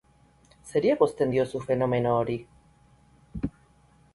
Zeri egozten diozu fenomeno hori?